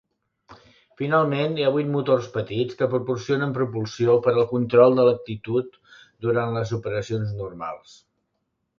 Finalment, hi ha vuit motors petits que proporcionen propulsió per al control de l'actitud durant les operacions normals.